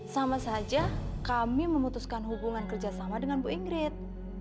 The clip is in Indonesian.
sama saja kami memutuskan hubungan kerjasama dengan bu ingrid